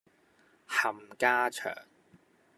冚家祥